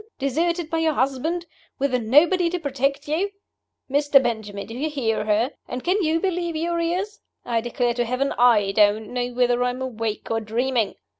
Deserted by your husband! With nobody to protect you! Mr. Benjamin, do you hear her? And can you believe your ears? I declare to Heaven I don't know whether I am awake or dreaming.